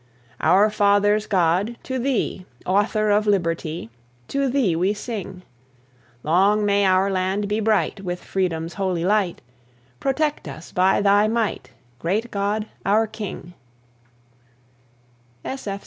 Our fathers' God, to Thee, Author of liberty, To Thee we sing: Long may our land be bright With freedom's holy light: Protect us by Thy might, Great God, our King.